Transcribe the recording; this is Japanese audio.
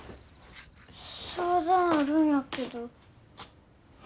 相談あるんやけど。